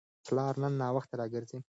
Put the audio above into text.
پلار نن ناوخته راګرځي.